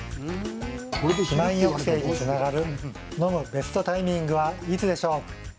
肥満抑制につながる飲むベストタイミングはいつでしょう？